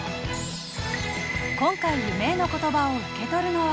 今回夢への言葉を受け取るのは。